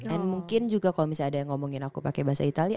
and mungkin juga kalau misalnya ada yang ngomongin aku pakai bahasa itali